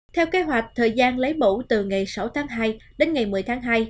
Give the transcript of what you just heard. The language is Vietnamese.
theo kế hoạch thời gian lấy mẫu từ ngày sáu tháng hai đến ngày một mươi tháng hai